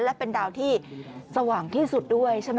และเป็นดาวที่สว่างที่สุดด้วยใช่ไหม